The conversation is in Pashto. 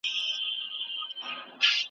ساقي تش لاسونه ګرځي پیمانه هغسي نه ده `